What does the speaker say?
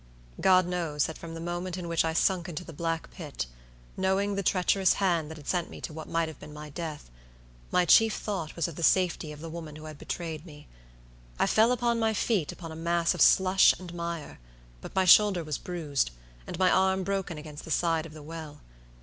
"God knows that from the moment in which I sunk into the black pit, knowing the treacherous hand that had sent me to what might have been my death, my chief thought was of the safety of the woman who had betrayed me. I fell upon my feet upon a mass of slush and mire, but my shoulder was bruised, and my arm broken against the side of the well.